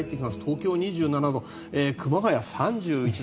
東京２７度熊谷３１度